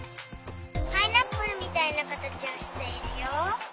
パイナップルみたいなかたちをしているよ。